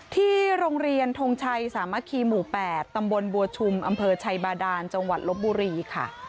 ที่โรงเรียนทงชัยสามัคคีหมู่๘ตำบลบัวชุมอำเภอชัยบาดานจังหวัดลบบุรีค่ะ